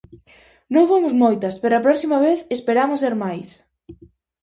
Non fomos moitas, pero a próxima vez esperamos ser máis!